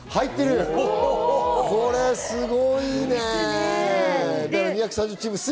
これ、すごいね。